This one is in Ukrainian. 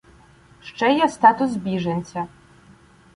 Ще є статус біженця